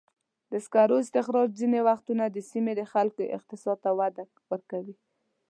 د سکرو استخراج ځینې وختونه د سیمې د خلکو اقتصاد ته وده ورکوي.